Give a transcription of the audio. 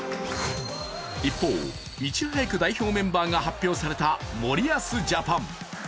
一方、いち早く代表メンバーが発表された森保ジャパン。